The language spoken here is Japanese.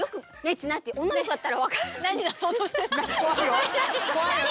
千里さん何出そうとしてんの？